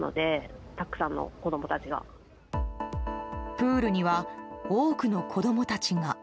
プールには多くの子供たちが。